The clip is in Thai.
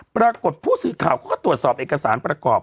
ปรากฏผู้สื่อข่าวเขาก็ตรวจสอบเอกสารประกอบ